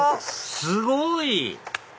すごい！